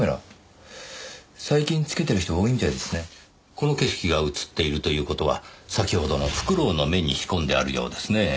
この景色が映っているという事は先ほどのフクロウの目に仕込んであるようですね。